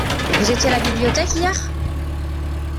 Vous étiez à la bibliothèque hier ?